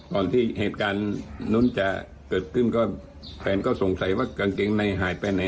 ก่อนที่เหตุการณ์นู้นจะเกิดขึ้นก็แฟนก็สงสัยว่ากางเกงในหายไปไหน